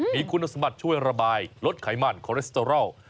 มีคุณสมบัติช่วยระบายลดไขมันคอเลสเตอรอล